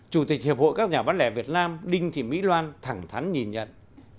chủ tịch hiệp hội các nhà bán lẻ việt nam đinh thị mỹ loan thẳng thắn nhìn nhận